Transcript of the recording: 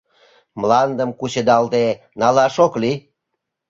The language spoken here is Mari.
Мландым кучедалде налаш огеш лий.